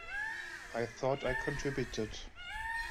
I thought I contributed.